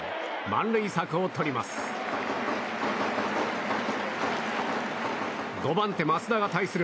満塁策をとります。